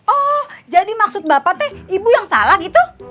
oh jadi maksud bapak teh ibu yang salah gitu